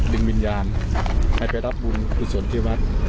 ดึงวิญญาณให้ไปรับบุญบุฏสวนที่วัด